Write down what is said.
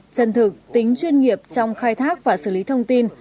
chân thực tính chuyên nghiệp trong khai thác và xử lý thông tin